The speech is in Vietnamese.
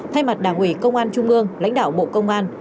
thay mặt đảng ủy công an trung ương lãnh đạo bộ công an